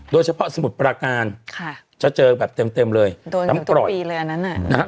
โดยเฉพาะสมุดปราการค่ะจะเจอแบบเต็มเต็มเลยโดนอยู่ทุกปีเรือนั้นอ่ะน่ะ